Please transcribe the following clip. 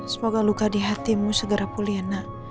semoga luka di hatimu segera pulih nak